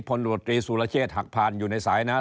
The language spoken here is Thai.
พลตรวจตรีสุรเชษฐ์หักพานอยู่ในสายนะครับ